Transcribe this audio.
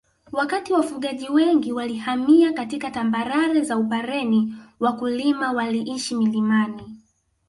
Wakati wafugaji wengi walihamia katika tambarare za Upareni wakulima waliishi milimani